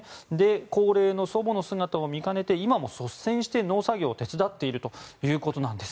高齢の祖母の姿を見かねて今も率先して農作業を手伝っているということです。